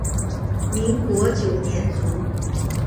民国九年卒。